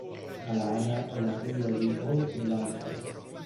Alana è la figlia di Holt Blanchard.